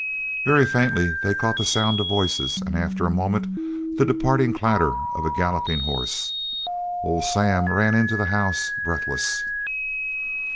Very faintly they caught the sound of voices, and after a moment the departing clatter of a galloping horse. Old Sam ran into the house breathless.